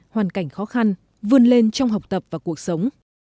hoàn cảnh khó khăn vươn lên trong học tập và cuộc sống